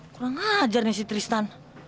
kurang ngajar nih si tristan